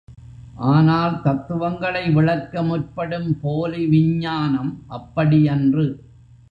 ஆனால் தத்துவங்களை விளக்க முற்படும் போலி விஞ்ஞானம் அப்படியன்று.